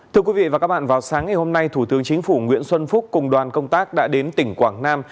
thưa quý vị và các bạn vào sáng ngày hôm nay thủ tướng chính phủ nguyễn xuân phúc cùng đoàn công tác đã đến tỉnh quảng nam